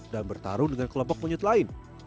dan bertarung dengan kelompok monyet lain